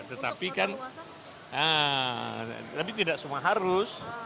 tetapi kan tapi tidak semua harus